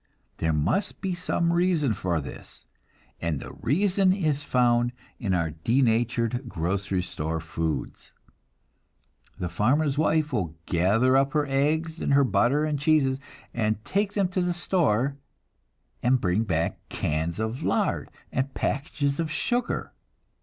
There must be some reason for this, and the reason is found in our denatured grocery store foods. The farmer's wife will gather up her eggs and her butter and cheeses, and take them to the store and bring back cans of lard and packages of sugar.